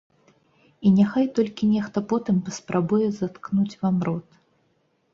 І няхай толькі нехта потым паспрабуе заткнуць вам рот.